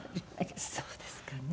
そうですかね。